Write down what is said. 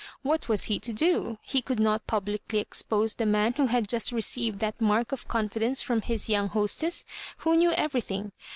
What was he to do? He could not publicly expose the man who had just received that mark of confidence from bis young hostess, who knew everything.